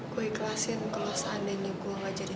gue ikhlasin kalau seandainya gue gak jadi